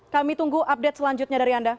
kami tunggu update selanjutnya dari anda